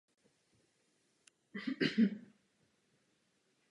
V knize Svoboda v jídle přináší zejména nástroje pro práci s návyky.